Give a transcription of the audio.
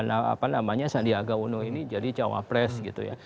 apa namanya sandiaga uno ini jadi cawapres gitu ya